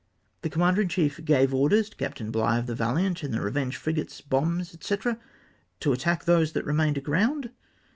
the commander in chief "gave orders to Capt. Bligh of the Valiant, with the Revenge, fri gates, bombs, &c.," — to attack those that remained aground